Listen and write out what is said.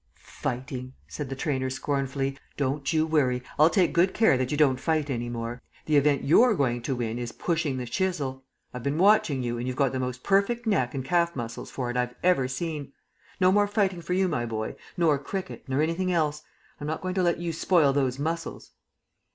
"Fighting!" said the trainer scornfully. "Don't you worry; I'll take good care that you don't fight any more. The event you're going to win is 'Pushing the Chisel.' I've been watching you, and you've got the most perfect neck and calf muscles for it I've ever seen. No more fighting for you, my boy; nor cricket, nor anything else. I'm not going to let you spoil those muscles."